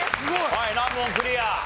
はい難問クリア。